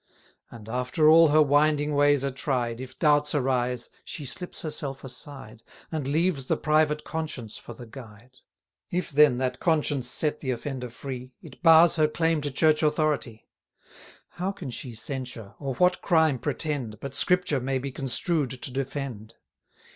And, after all her winding ways are tried, If doubts arise, she slips herself aside, And leaves the private conscience for the guide. If then that conscience set the offender free, It bars her claim to Church authority. 480 How can she censure, or what crime pretend, But Scripture may be construed to defend?